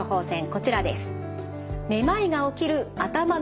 こちらです。